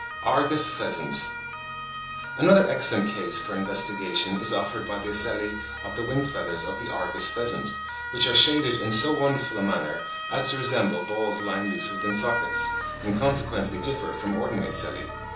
ARGUS PHEASANT. Another excellent case for investigation is offered by the ocelli on the wing feathers of the Argus pheasant, which are shaded in so wonderful a manner as to resemble balls lying loose within sockets, and consequently differ from ordinary ocelli.